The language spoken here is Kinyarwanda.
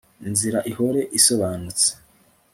inzira ihore isobanutse